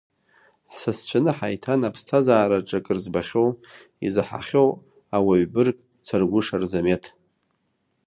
Ҳсасцәаны ҳаиҭан аԥсҭазаараҿ акыр збахьоу, изаҳахьоу ауаҩ бырг Царгәыш Арзамеҭ.